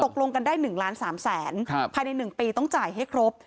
ตกลงกันได้หนึ่งล้านสามแสนครับภายในหนึ่งปีต้องจ่ายให้ครบ